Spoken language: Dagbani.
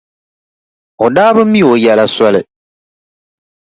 O daa bi mi o yɛla soli.